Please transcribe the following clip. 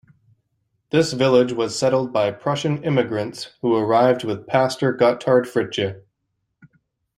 This village was settled by Prussian immigrants who arrived with Pastor Gotthard Fritzsche.